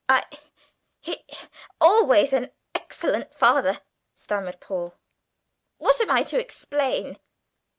"I he always an excellent father," stammered Paul. "What am I to explain?"